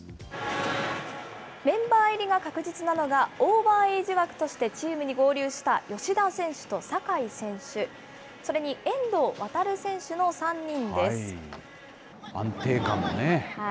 メンバー入りが確実なのが、オーバーエイジ枠としてチームに合流した吉田選手と酒井選手、そ安定感がね、ばっちりです。